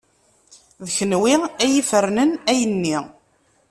D kenwi ay ifernen ayenni.